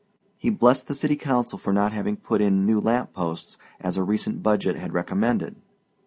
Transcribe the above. He blessed the city council for not having put in new lamp posts as a recent budget had recommended.